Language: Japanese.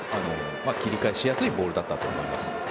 切り替えしやすいボールだったと思います。